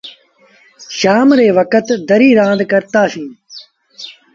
شآم ري وکت دريٚ رآند ڪرتآ سيٚݩ۔